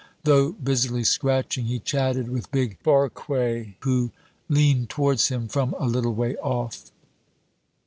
Though busily scratching, he chatted with big Barque, who leaned towards him from a little way off.